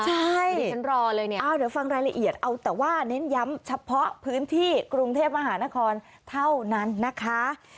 ใช่ดิฉันรอเลยเนี่ยเดี๋ยวฟังรายละเอียดเอาแต่ว่าเน้นย้ำเฉพาะพื้นที่กรุงเทพมหานครเท่านั้นนะคะ